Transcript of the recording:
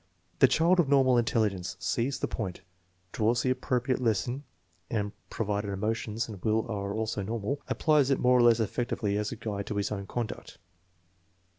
The child of normal intelligence sees the point, draws the appropriate lesson and (provided emotions and will are also normal) applies it more or less effectively as a guide to his own conduct.